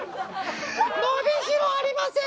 伸びしろありません！